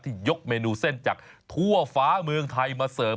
ที่ยกเมนูเส้นจากทั่วฝาเมืองไทยมาเสิร์ฟ